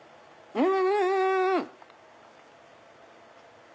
うん！